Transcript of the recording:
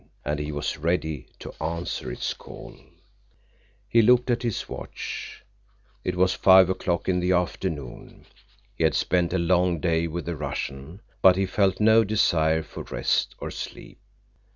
And he was ready to answer its call. He looked at his watch. It was five o'clock in the afternoon. He had spent a long day with the Russian, but he felt no desire for rest or sleep.